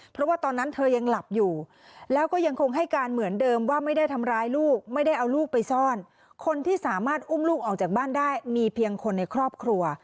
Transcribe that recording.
เพราะว่าตอนนั้นเธอยังหลับอยู่แล้วก็ยังคงให้การเหมือนเดิมว่าไม่ได้ทำร้ายลูกไม่ได้เอาลูกไปซ่อนคนที่สามารถอุ้มลูกออกจากบ้านได้มีเพียงคนในครอบครัว